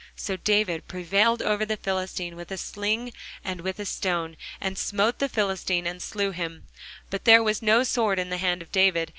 So David prevailed over the Philistine with a sling and with a stone, and smote the Philistine, and slew him; but there was no sword in the hand of David.